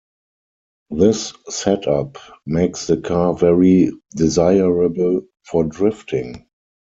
This setup makes the car very desirable for drifting.